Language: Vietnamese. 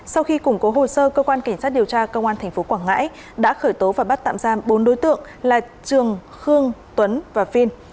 sau khi củng cố hồ sơ cơ quan cảnh sát điều tra công an tp quảng ngãi đã khởi tố và bắt tạm giam bốn đối tượng là trường khương tuấn và phiên